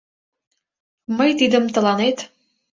Мый тидым тыланет